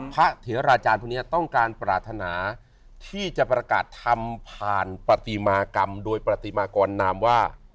เถราจารย์พวกนี้ต้องการปรารถนาที่จะประกาศทำผ่านปฏิมากรรมโดยปฏิมากรนามว่า